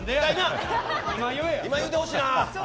今言うてほしいな。